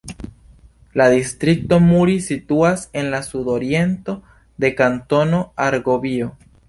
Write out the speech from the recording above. La distrikto Muri situas en la sudoriento de Kantono Argovio.